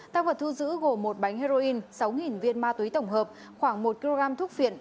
tăng vật thu giữ gồm một bánh heroin sáu viên ma túy tổng hợp khoảng một kg thuốc viện